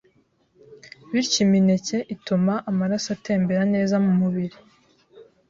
bityo imineke ituma amaraso atembera neza mu mubiri